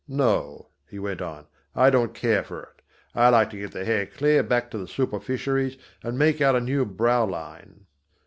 "No," he went on, "I don't care for it. I like to get the hair clear back to the superficies and make out a new brow line."